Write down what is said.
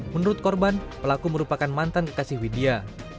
menurut korban pelaku merupakan mantan kekasih widya